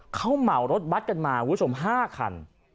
เขาเหมารถบัตรกันมาคุณผู้ชม๕คัน